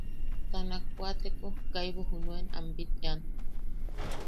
Ta nakwateko kaibu junuen am bitʼean.